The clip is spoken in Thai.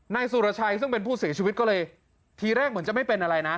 นายสุรชัยซึ่งเป็นผู้เสียชีวิตก็เลยทีแรกเหมือนจะไม่เป็นอะไรนะ